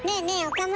岡村。